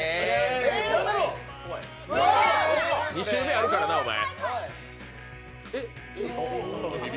２周目あるからな、お前。